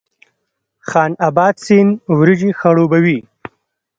خان اباد سیند وریجې خړوبوي؟